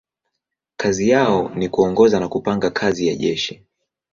Kazi yao ni kuongoza na kupanga kazi ya jeshi.